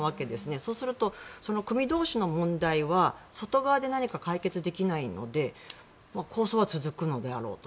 そうするとその組同士の問題は外側で何か解決できないので抗争は続くのであろうと。